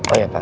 oh ya pak